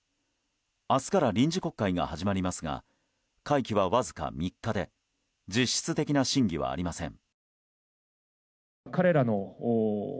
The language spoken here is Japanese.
明日から臨時国会が始まりますが会期はわずか３日で実質的な審議はありません。